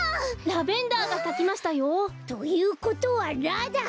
ラベンダーがさきましたよ。ということはラだ！